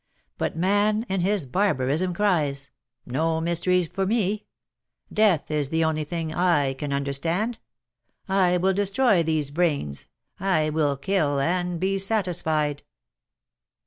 But man in his barbarism cries : "No mysteries for me ! Death Is the only thing / can understand. I will destroy these brains — I will kill and be satisfied."